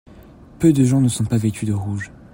Peu de gens ne sont pas vêtu de rouge.